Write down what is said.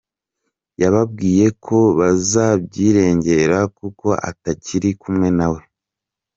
Yababwiye ko bazabyirengera kuko atakiri kumwe nawe.